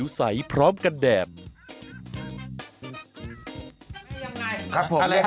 ยังไงค่ะ